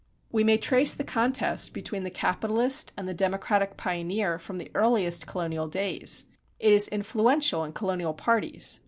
We may trace the contest between the capitalist and the democratic pioneer from the earliest colonial days. It is influential in colonial parties.